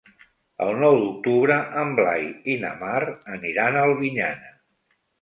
El nou d'octubre en Blai i na Mar aniran a Albinyana.